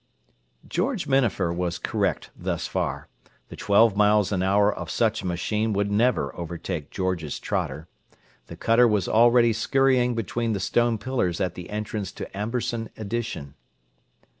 _" George Minafer was correct thus far: the twelve miles an hour of such a machine would never over take George's trotter. The cutter was already scurrying between the stone pillars at the entrance to Amberson Addition.